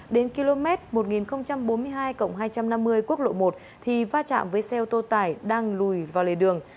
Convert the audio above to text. đến km một nghìn bốn mươi hai hai trăm năm mươi quốc lộ một thì va chạm với xe ô tô tải đang lùi vào lề đường